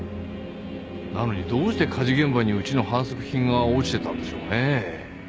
なのにどうして火事現場にうちの販促品が落ちてたんでしょうね？